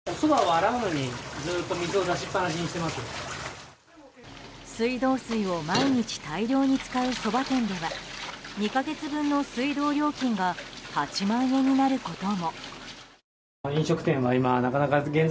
水道水を毎日、大量に使うそば店では２か月分の水道料金が８万円になることも。